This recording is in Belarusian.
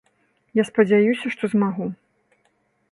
Я спадзяюся, што змагу.